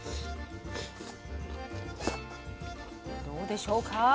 どうでしょうか？